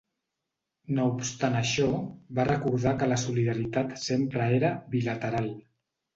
No obstant això, va recordar que la solidaritat sempre era ‘bilateral’.